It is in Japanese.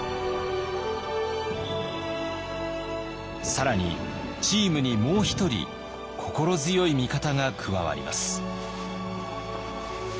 更にチームにもう一人心強い味方が加わります。